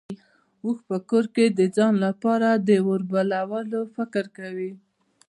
اوښ په کور کې ځان لپاره د اور بلولو فکر کوي.